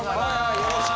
よろしく。